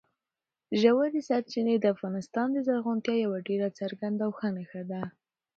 ژورې سرچینې د افغانستان د زرغونتیا یوه ډېره څرګنده او ښه نښه ده.